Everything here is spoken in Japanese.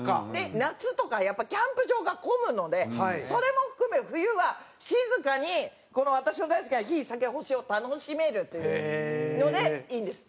夏とかやっぱキャンプ場が混むのでそれも含め冬は静かにこの私の大好きな火酒星を楽しめるというのでいいんです。